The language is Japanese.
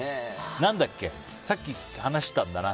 何だっけ、さっき話したんだな。